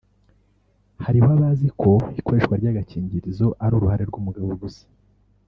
Hariho abazi ko ikoreshwa ry’agakingirizo ari uruhare rw’umugabo gusa